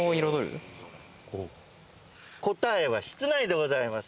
答えは室内でございます。